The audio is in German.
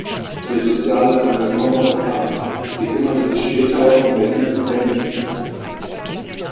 Ihr soziales Engagement war bekannt, sie kümmerte sich später auch um Berliner Gefängnisinsassen.